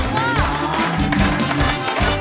แม่บอกว่า